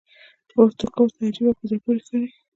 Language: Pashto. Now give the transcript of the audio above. توکي ورته عجیبه او په زړه پورې ښکاري